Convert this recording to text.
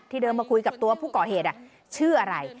เดินมาคุยกับตัวผู้ก่อเหตุชื่ออะไร